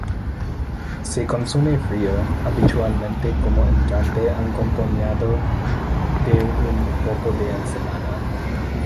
Se consume frío, habitualmente como entrante acompañado de un poco de ensalada.